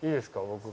僕。